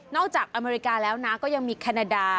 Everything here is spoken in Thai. จากอเมริกาแล้วนะก็ยังมีแคนาดา